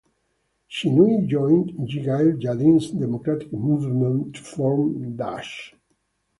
Shinui joined Yigael Yadin's Democratic Movement to form Dash.